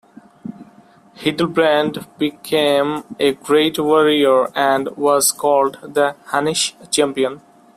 Hildebrand became a great warrior and was called the Hunnish champion.